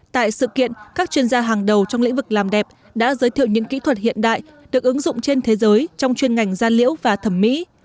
tại sự kiện các chuyên gia hàng đầu trong lĩnh vực làm đẹp đã giới thiệu những kỹ thuật hiện đại được ứng dụng trên thế giới trong chuyên ngành da liễu và thẩm mỹ